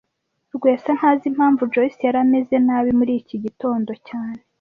Rwesa ntazi impamvu Joyce yari ameze nabi muri iki gitondo cyane